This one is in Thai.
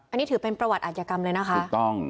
อันนี้ถือเป็นประวัติอาจยกรรมเลยนะคะถูกต้อง